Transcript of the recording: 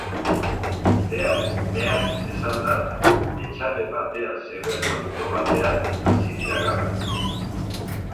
Zehatz-mehatz esanda, etxabe batean zegoen auto batean hasi dira garrak.